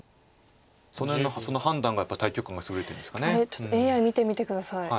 ちょっとＡＩ見てみて下さい。